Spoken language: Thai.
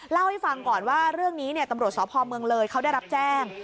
เล่าให้ฟังก่อนว่าเรื่องนี้ตำรวจสพเมืองเลยเขาได้รับแจ้ง